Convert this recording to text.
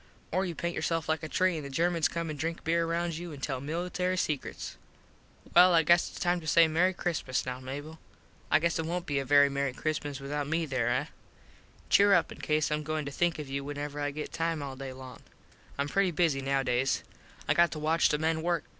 Or you paint yourself like a tree an the Germans come an drink beer round you an tell military sekruts. Well I guess its time to say Mery Xmas now Mable. I guess it wont be a very Mery Xmas withut me there, eh? Cheer up cause Im goin to think of you whenever I get time all day long. Im pretty busy nowdays. I got to watch the men work.